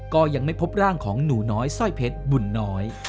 ก็ยังไม่พบร่างของหนูน้อยสร้อยเพชรบุญน้อย